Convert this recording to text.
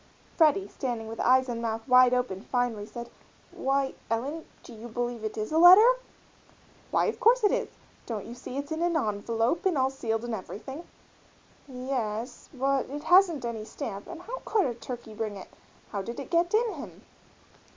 Freddie, standing with eyes and mouth wide open, finally said, "Why, Ellen, do you believe it is a letter?" "Why, of course it is! Don't you see it's in a' envelope and all sealed and everything?" "Yes, but it hasn't any stamp and how could a turkey bring it how did it get in him?"